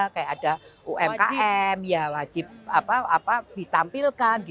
kayak ada umkm ya wajib ditampilkan